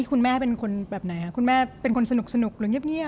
พี่เริ่มมาเป็นอย่างงี้พ่อเป็นอย่างงี้พ่อเป็นอย่างงี้